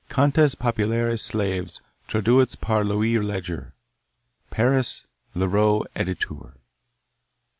Contes Populaires Slaves, traduits par Louis Leger. Paris: Leroux, Editeur.